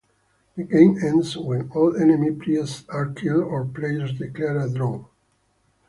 The game ends when all enemy priests are killed or players declare a draw.